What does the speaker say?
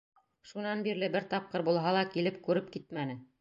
Шунан бирле бер тапҡыр булһа ла килеп күреп китмәне.